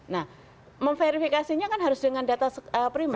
nah memverifikasinya kan harus dengan data primer